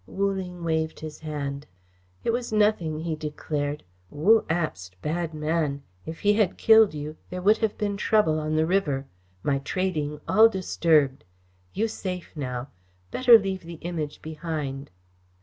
Wu Ling waved his hand. "It was nothing," he declared. "Wu Abst, bad man. If he had killed you, there would have been trouble on the river. My trading all disturbed. You safe now. Better leave the Image behind."